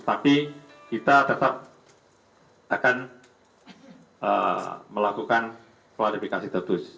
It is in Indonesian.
tapi kita tetap akan melakukan klarifikasi tentu